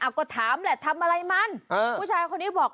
ก็ถามแหละทำอะไรมันผู้ชายคนนี้บอก